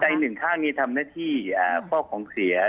อีกหนึ่งข้างนี้ทำหน้าที่พ่อของเสีย